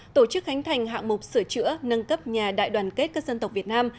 tổ chức khánh thành hạng mục sửa chữa nâng cấp nhà đại đoàn kết các dân tộc việt nam